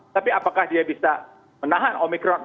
tapi apakah dia bisa menahan omikron